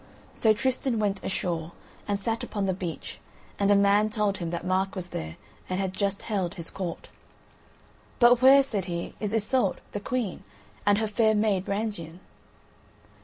So Tristan went ashore and sat upon the beach, and a man told him that Mark was there and had just held his court. "But where," said he, "is Iseult, the Queen, and her fair maid, Brangien?"